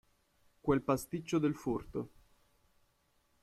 Quel pasticcio del furto.